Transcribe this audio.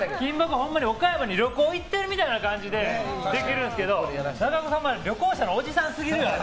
ほんまに岡山に旅行に行ってる感じでできるんですけど、中岡さんは旅行者のおじさんすぎる。